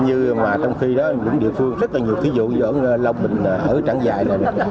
nhưng mà trong khi đó những địa phương rất là nhiều ví dụ như ở long bình ở trảng dại